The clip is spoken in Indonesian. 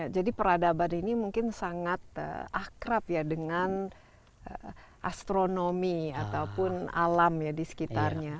jadi peradaban ini mungkin sangat akrab ya dengan astronomi ataupun alam ya di sekitarnya